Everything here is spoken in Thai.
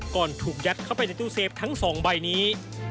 ถูกยัดเข้าไปในตู้เซฟทั้ง๒ใบนี้